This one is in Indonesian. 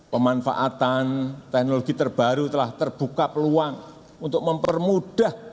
pemanfaatan teknologi terbaru telah terbuka peluang untuk mempermudah